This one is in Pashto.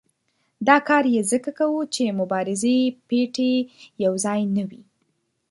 دا کار یې ځکه کاوه چې مبارزې پېټی یو ځای نه وي.